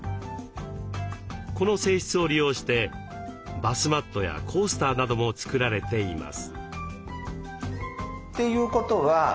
この性質を利用してバスマットやコースターなども作られています。